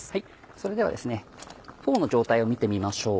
それではフォーの状態を見てみましょう。